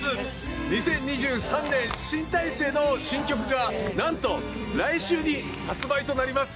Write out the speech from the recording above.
２０２３年新体制の新曲がなんと来週に発売となります。